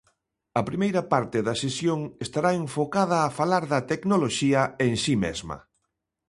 A primeira parte da sesión estará enfocada a falar da tecnoloxía en si mesma.